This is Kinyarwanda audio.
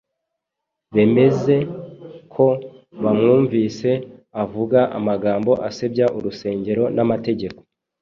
bemeze ko bamwumvise avuga amagambo asebya urusengero n’amategeko.